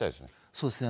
そうですね。